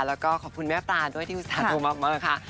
แล้วก็ขอบคุณแม่ปลาด้วยที่อุตสาธุมากค่ะ